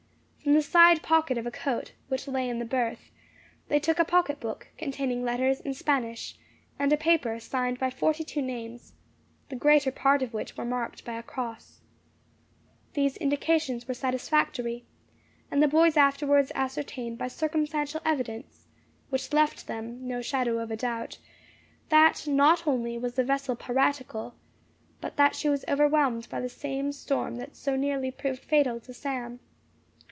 From the side pocket of a coat, which lay in the berth, they took a pocket book, containing letters in Spanish, and a paper signed by forty two names, the greater part of which were marked by a cross. These indications were satisfactory, and the boys afterwards ascertained by circumstantial evidence, which left them no shadow of a doubt, that not only was the vessel piratical, but that she was overwhelmed by the same storm that had so nearly proved fatal to Sam.